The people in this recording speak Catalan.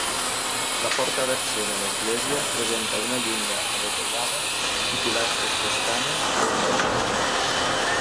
La porta d'accés a l'església presenta una llinda adovellada i pilastres toscanes a ambdós costats.